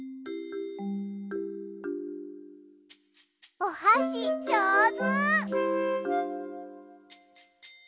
おはしじょうず！